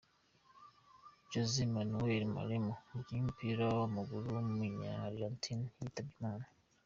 Jose Manuel Moreno, umukinnyi w’umupira w’amaguru w’umunyargentine yitabye Imana.